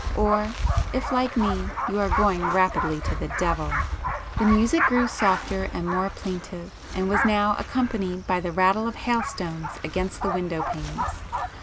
—or if, like me, you are going rapidly to the devil!" The music grew softer and more plaintive, and was now accompanied by the rattle of hailstones against the window panes.